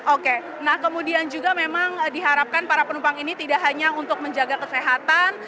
oke nah kemudian juga memang diharapkan para penumpang ini tidak hanya untuk menjaga kesehatan